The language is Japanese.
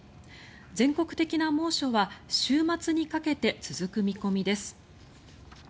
全国的な猛暑は週末にかけて続く見込みです。